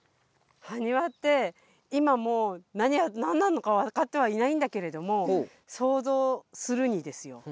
はにわって今も何なのかわかってはいないんだけれども想像するにですよ